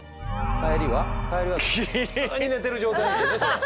帰りは普通に寝てる状態ですよねそれ。